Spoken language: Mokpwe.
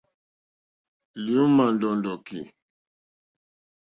Lì ujmà ndàndòki.